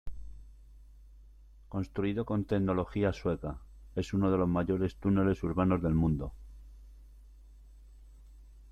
Construido con tecnología sueca, es uno de los mayores túneles urbanos del mundo.